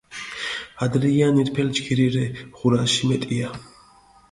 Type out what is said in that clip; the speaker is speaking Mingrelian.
ადრეიანი ირფელი ჯგირი რე ღურაში მეტია.